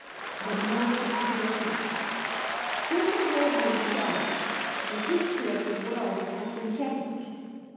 The nose of Cleopatra, if it had been shorter, the history of the world would have been changed."